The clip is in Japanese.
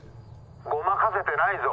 「ごまかせてないぞ」。